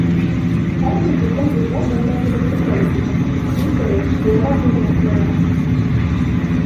Һәр көн иртән ирҙәр бында килеп теркәлеп китә: мин тере, һыйырға теймә, йәнәһе.